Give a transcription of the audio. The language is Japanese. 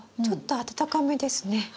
ちょっとあたたかめですね。